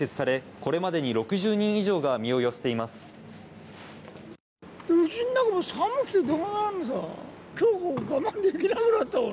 これまでに６０人以上が身を寄せています。